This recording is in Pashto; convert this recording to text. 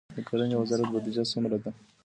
د کرنې وزارت بودیجه څومره ده؟